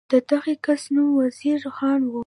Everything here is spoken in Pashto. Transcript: د دغه کس نوم وزیر خان و.